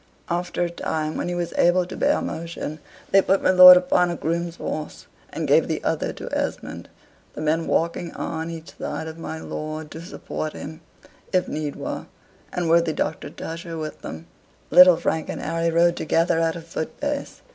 After a time, when he was able to bear motion, they put my lord upon a groom's horse, and gave the other to Esmond, the men walking on each side of my lord, to support him, if need were, and worthy Doctor Tusher with them. Little Frank and Harry rode together at a foot pace.